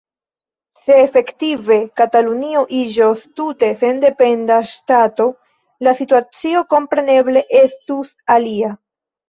Se efektive Katalunio iĝos tute sendependa ŝtato, la situacio kompreneble estus alia.